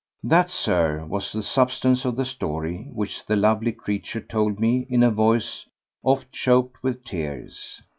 That, Sir, was the substance of the story which the lovely creature told me in a voice oft choked with tears.